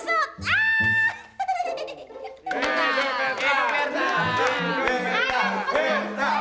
iya ini film utama satu